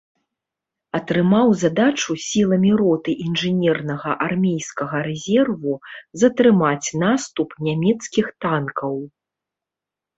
Атрымаў задачу сіламі роты інжынернага армейскага рэзерву затрымаць наступ нямецкіх танкаў.